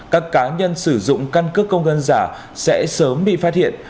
các cá nhân sử dụng căn cước công dân giả sẽ sớm bị phát hiện